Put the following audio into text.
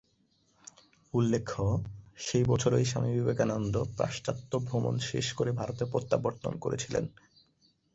উল্লেখ্য, সেই বছরই স্বামী বিবেকানন্দ পাশ্চাত্য ভ্রমণ শেষ করে ভারতে প্রত্যাবর্তন করেছিলেন।